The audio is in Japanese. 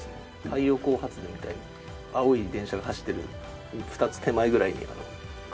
太陽光発電みたいな青い電車が走ってる２つ手前ぐらいに黒く。